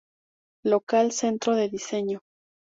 Local, Centro de diseño.